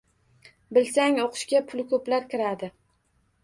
Bilsang, o‘qishga puli ko‘plar kiradi.